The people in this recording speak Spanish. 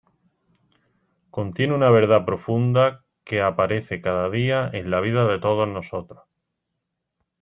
Contiene una verdad profunda que aparece cada día en la vida de todos nosotros.